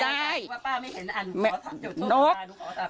ว่าป้าไม่เห็นอันหนูขอจุดทูกสาบาน